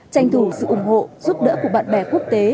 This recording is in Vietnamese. tranh thủ sự ủng hộ giúp đỡ của bạn bè quốc tế